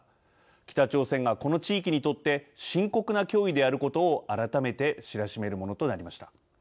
北朝鮮が、この地域にとって深刻な脅威であることを改めて知らしめるものとなりました。